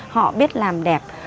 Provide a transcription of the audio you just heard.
họ biết làm đẹp